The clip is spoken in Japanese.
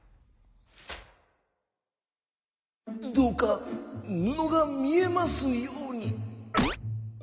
「どうかぬのがみえますように。